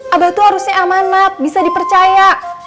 abah itu harusnya amanat bisa dipercaya